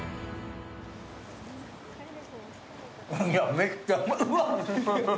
めっちゃうわっ！